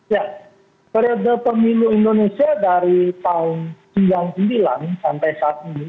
ya perjalanan pemilu indonesia dari tahun dua ribu sembilan sampai saat ini